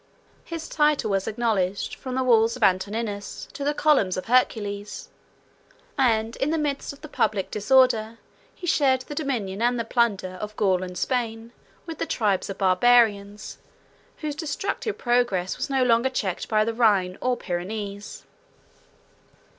His title was acknowledged, from the wall of Antoninus to the columns of Hercules; and, in the midst of the public disorder he shared the dominion, and the plunder, of Gaul and Spain, with the tribes of Barbarians, whose destructive progress was no longer checked by the Rhine or Pyrenees.